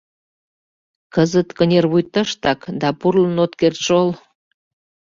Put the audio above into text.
Кызыт кынервуй тыштак, да пурлын от керт шол.